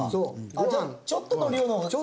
じゃあちょっとの量の方が逆に？